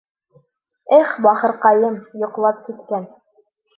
Эх, бахырҡайым, йоҡлап киткән.